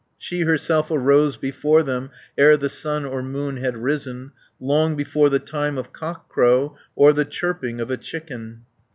She herself arose before them, Ere the sun or moon had risen, 140 Long before the time of cockcrow, Or the chirping of a chicken.